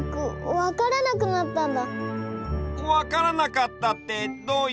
わからなかったってどういうこと？